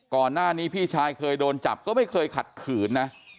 ก่อนหน้านี้พี่ชายเคยโดนจับก็ไม่เคยขัดขืนนะ